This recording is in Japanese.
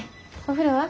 お風呂は？